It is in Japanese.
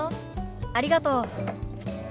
ありがとう。